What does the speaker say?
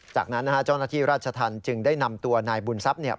จากนั้นจ้องนักที่ราชทันจึงได้นำตัวนายบุญทรัพย์